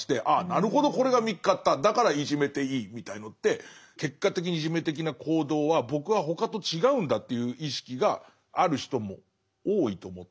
なるほどこれが見っかっただからいじめていいみたいのって結果的にいじめ的な行動は僕は他と違うんだという意識がある人も多いと思ってて。